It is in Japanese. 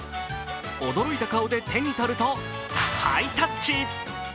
驚いた顔で手に取ると、ハイタッチ。